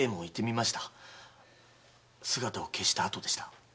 姿を消したあとでした。